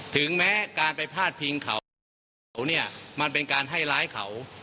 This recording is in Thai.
ถึงแม้การไปพาดพิงเขาเนี่ยมันเป็นการให้ร้ายเขา